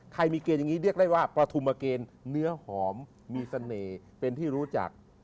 มีเกณฑ์อย่างนี้เรียกได้ว่าประธุมเกณฑ์เนื้อหอมมีเสน่ห์เป็นที่รู้จัก